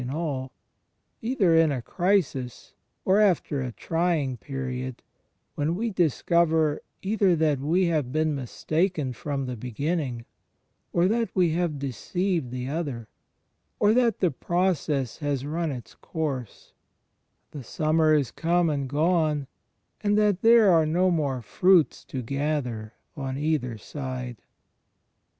in all), either in a crisis, or after a trying period, when we discover either that we have been mistaken from the beginning, or that we have deceived the other, or that the process has run its course; the suromer is come and gone, and that there are no more fruits to gather on either side.